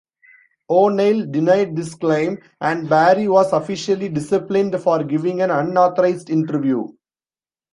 O'Neill denied this claim and Barry was officially disciplined for giving an unauthorised interview.